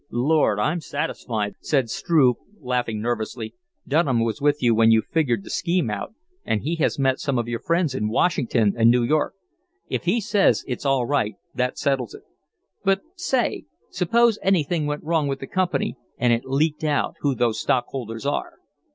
"Lord! I'm satisfied," said Struve, laughing nervously. "Dunham was with you when you figured the scheme out and he met some of your friends in Washington and New York. If he says it's all right, that settles it. But say, suppose anything went wrong with the company and it leaked out who those stockholders are?"